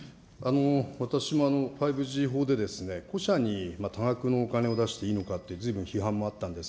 私も５Ｇ法で、に多額のお金を出していいのかいいのかってずいぶん批判もあったんです。